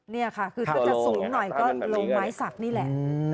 นี่ค่ะคือถ้าจะสูงหน่อยก็ลงไม้สักนี่แหละ